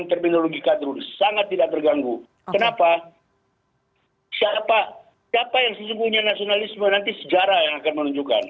tetapi kami tidak sama sekali tidak terbuka tetapi kami tidak sama sekali tidak terbuka